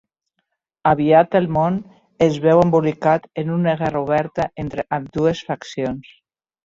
Aviat el món es veu embolicat en una guerra oberta entre ambdues faccions.